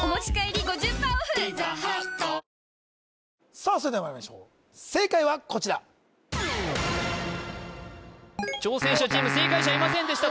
さあそれではまいりましょう正解はこちら挑戦者チーム正解者いませんでした